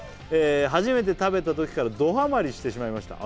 「初めて食べたときからどハマりしてしまいました」